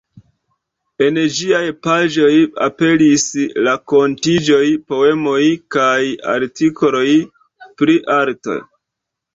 En ĝiaj paĝoj aperis rakontoj, poemoj kaj artikoloj pri arto.